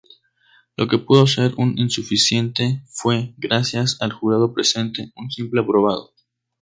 Lo que pudo ser un insuficiente, fue -gracias al jurado presente- un simple aprobado.